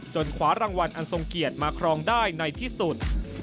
ขวารางวัลอันทรงเกียรติมาครองได้ในที่สุด